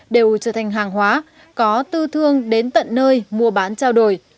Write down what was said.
đều trở thành hàng hóa có tư thương đến tận nơi mua bán trao đổi